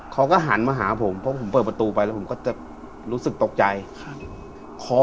เขาก็หันมาหาผมเพราะผมเปิดประตูไปแล้วผมก็จะรู้สึกตกใจครับ